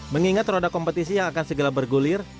mengingat roda kompetisi yang akan segera bergulir